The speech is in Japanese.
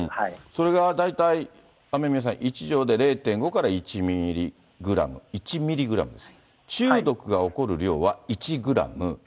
それが大体、雨宮さん、１錠で０．５から１ミリグラム、中毒が起こる量は１グラム。